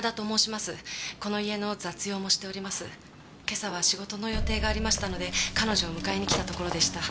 今朝は仕事の予定がありましたので彼女を迎えにきたところでした。